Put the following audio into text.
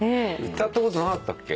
歌ったことなかったっけ？